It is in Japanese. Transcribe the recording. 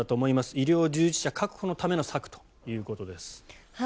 医療従事者確保のための策ということです。